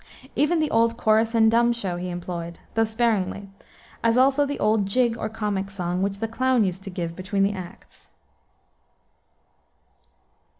Even the old chorus and dumb show he employed, though sparingly, as also the old jig, or comic song, which the clown used to give between the acts.